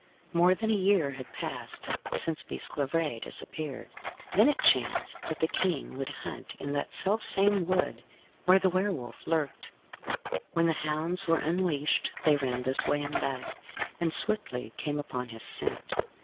More than a year had passed since Bisclavaret disappeared. Then it chanced that the King would hunt in that self same wood where the Were Wolf lurked. When the hounds were unleashed they ran this way and that, and swiftly came upon his scent.